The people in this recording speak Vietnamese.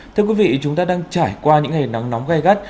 thưa quý vị chúng ta đang trải qua những ngày nắng nóng gai gắt